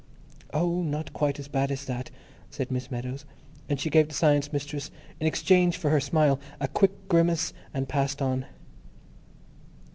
"Oh, not quite as bad as that," said Miss Meadows, and she gave the Science Mistress, in exchange for her smile, a quick grimace and passed on....